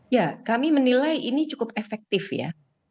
ya kami menilai ini cukup efektif ya